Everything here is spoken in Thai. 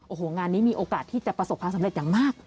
โอ้โหงานนี้มีโอกาสที่จะประสบความสำเร็จอย่างมาก